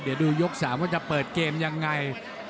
เดี๋ยวดูยก๓ว่าจะเปิดเกมยังไง